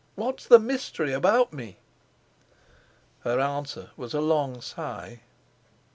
What's the mystery about me?" Her answer was a long sigh.